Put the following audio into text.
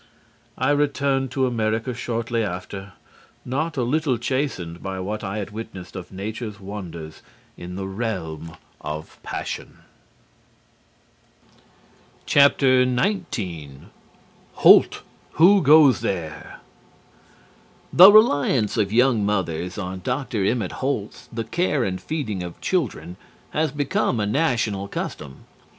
I returned to America shortly after not a little chastened by what I had witnessed of Nature's wonders in the realm of passion. XIX HOLT! WHO GOES THERE? The reliance of young mothers on Dr. Emmett Holt's "The Care and Feeding of Children," has become a national custom.